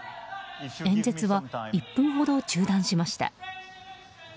演説は１分ほど中断しました。